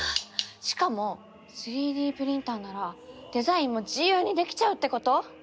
しかも３Ｄプリンターならデザインも自由にできちゃうってこと？